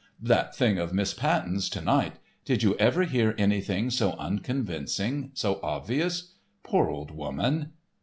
"That thing of Miss Patten's to night! Did you ever hear anything so unconvincing, so obvious? Poor old woman!"